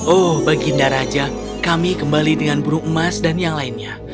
oh baginda raja kami kembali dengan burung emas dan yang lainnya